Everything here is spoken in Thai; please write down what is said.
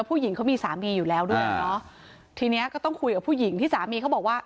ผู้หญิงเขามีสามีอยู่แล้วด้วยอ่ะเนอะทีเนี้ยก็ต้องคุยกับผู้หญิงที่สามีเขาบอกว่า